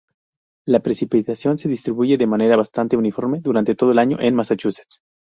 La precipitación se distribuye de manera bastante uniforme durante todo el año en Massachusetts.